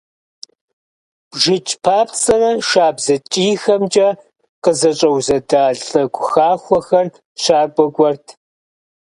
БжыкӀ папцӀэрэ шабзэ ткӀийхэмкӀэ къызэщӀэузэда лӀы хахуэхэр щакӀуэ кӀуэрт.